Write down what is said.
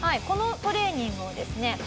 このトレーニングをですね